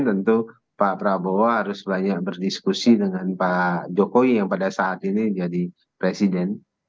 tentu pak prabowo harus banyak berdiskusi dengan pak jokowi yang pada saat ini jadi presiden